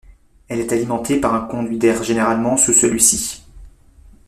Elle est alimentée par un conduit d'air généralement sous celui-ci.